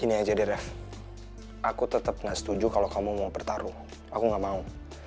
ini aja deh aku tetap gak setuju kalau kamu mau bertarung aku nggak mau